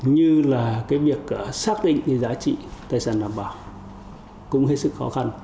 như là cái việc xác định cái giá trị tài sản đảm bảo cũng hết sức khó khăn